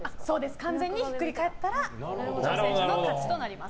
完全にひっくり返ったら挑戦者の勝ちとなります。